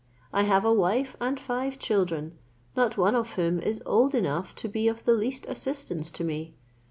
I have a wife and five children, not one of whom is old enough to be of the least assistance to me.